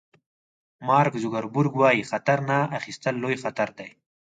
مارک زوګربرګ وایي خطر نه اخیستل لوی خطر دی.